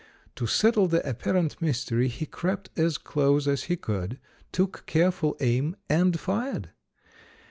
To settle the apparent mystery he crept as close as he could, took careful aim and fired.